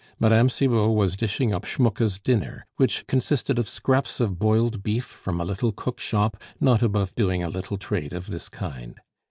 Mme. Cibot was dishing up Schmucke's dinner, which consisted of scraps of boiled beef from a little cook shop not above doing a little trade of this kind.